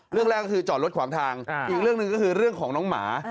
เรื่องแรกก็คือจอดรถขวางทางอีกเรื่องหนึ่งก็คือเรื่องของน้องหมา